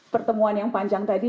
pertemuan yang panjang tadi